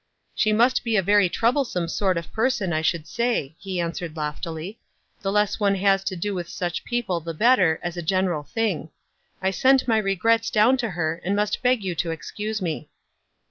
" She must be a very troublesome sort of per son, I should say," he answered, loftily. "The less one has to do with such people the better, as a general thing. I sent my regrets down to her, and must beg you to excuse me."